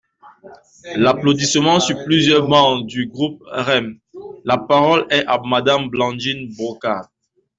(Applaudissements sur plusieurs bancs du groupe REM.) La parole est à Madame Blandine Brocard.